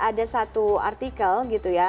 ada satu artikel gitu ya